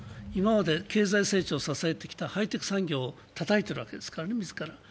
今まで経済成長をしてきたところを自らたたいているわけですからね。